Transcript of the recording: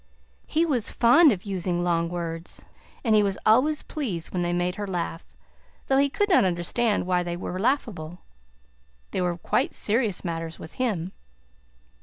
He was fond of using long words, and he was always pleased when they made her laugh, though he could not understand why they were laughable; they were quite serious matters with him.